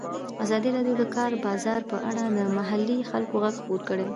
ازادي راډیو د د کار بازار په اړه د محلي خلکو غږ خپور کړی.